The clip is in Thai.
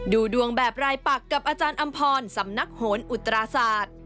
ดูดวงแบบรายปักกับอาจารย์อำพรสำนักโหนอุตราศาสตร์